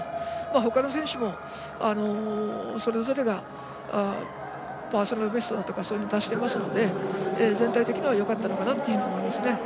ほかの選手もそれぞれがパーソナルベストだとかそういうものを出していますので全体的によかったのかなと思いますね。